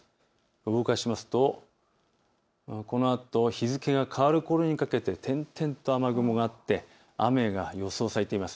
動かしますとこのあと日付が変わるころにかけて点々と雨雲があって雨が予想されています。